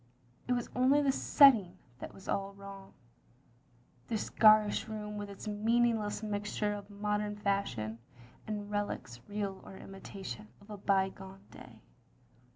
It was only the setting that was all wrong. This garish room with its meaningless mixture of modem fashion, and relics, real or imitation, of a by gone day.